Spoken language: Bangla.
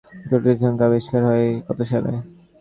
জটিল সংখ্যা আবিষ্কার হয় কত সালে?